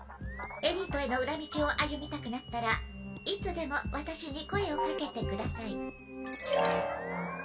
エリートへの裏道を歩みたくなったらいつでもワタシに声をかけてください。